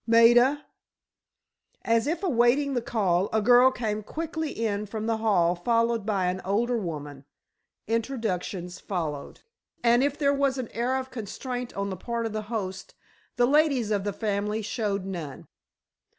Maida!" As if awaiting the call, a girl came quickly in from the hall followed by an older woman. Introductions followed, and if there was an air of constraint on the part of the host the ladies of the family showed none.